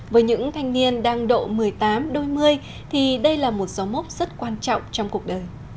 với những thanh niên đang độ một mươi tám đôi mươi thì đây là một dấu mốc rất quan trọng trong cuộc đời